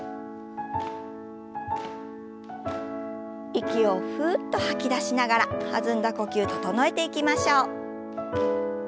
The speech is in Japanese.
息をふうっと吐き出しながら弾んだ呼吸整えていきましょう。